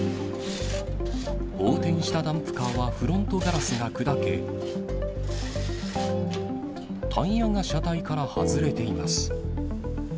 横転したダンプカーはフロントガラスが砕け、タイヤが車体から外れています。